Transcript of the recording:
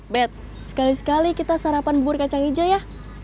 bet sekali sekali kita sarapan bubur kacang hijau ya